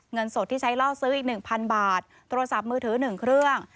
เงินสดที่ใช้ล่อซื้ออีก๑๐๐บาทโทรศัพท์มือถือ๑เครื่อง